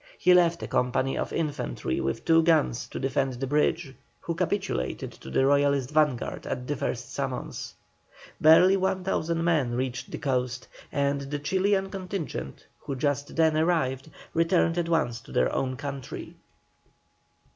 He left a company of infantry with two guns to defend the bridge, who capitulated to the Royalist vanguard at the first summons. Barely 1,000 men reached the coast, and the Chilian contingent, which just then arrived, returned at once to their own country.